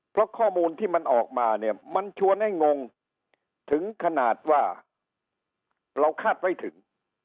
เพราะข้อมูลที่มันออกมาเนี่ยมันชวนให้งงถึงขนาดว่าเราคาดไม่ถึง